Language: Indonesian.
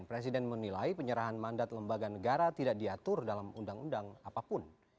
presiden menilai penyerahan mandat lembaga negara tidak diatur dalam undang undang apapun